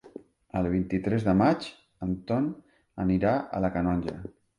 El vint-i-tres de maig en Ton anirà a la Canonja.